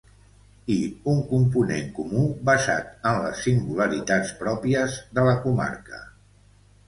I un component comú basat en les singularitats pròpies de la comarca.